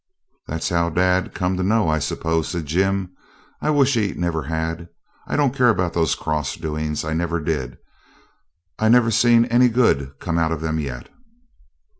'That's how dad come to know, I suppose,' said Jim. 'I wish he never had. I don't care about those cross doings. I never did. I never seen any good come out of them yet.'